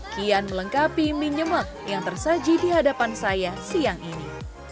kian melengkapi mie nyemek yang tersaji di hadapan saya siang ini